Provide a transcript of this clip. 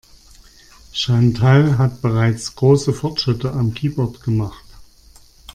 Chantal hat bereits große Fortschritte am Keyboard gemacht.